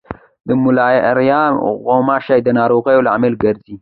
د ملاریا غوماشي د ناروغیو لامل ګرځي.